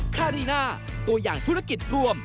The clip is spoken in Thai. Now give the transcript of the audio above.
คารีน่าตัวอย่างธุรกิจรวม